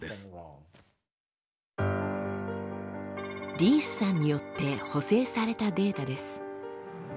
リースさんによって補正されたデータです。